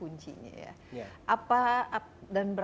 romit makasih dokter